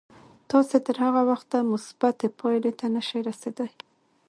تاسې تر هغه وخته مثبتې پايلې ته نه شئ رسېدای.